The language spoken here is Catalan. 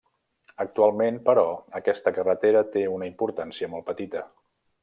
Actualment, però, aquesta carretera té una importància molt petita.